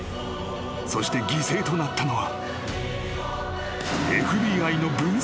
［そして犠牲となったのは］